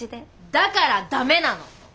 だからダメなの！